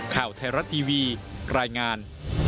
ข่าวไทยรัฐทีวีรายงาน